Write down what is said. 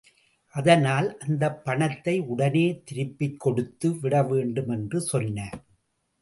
அதனால் அந்தப் பணத்தை உடனே திருப்பிக் கொடுத்து விடவேண்டும், என்று சொன்னார்.